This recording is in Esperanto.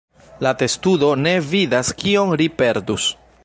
La testudo ne vidas kion ri perdus.